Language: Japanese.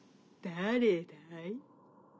・「だれだい？」。